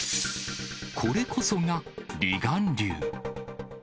これこそが離岸流。